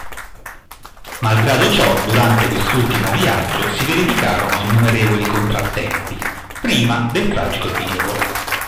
Malgrado ciò, durante quest'ultimo viaggio si verificarono innumerevoli contrattempi, prima del tragico epilogo.